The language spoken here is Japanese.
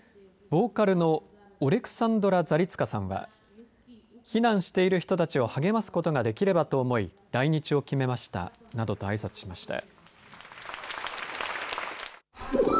ボーカルのオレクサンドラ・ザリツカさんは避難している人たちを励ますことができればと思い来日を決めましたなどとあいさつをしました。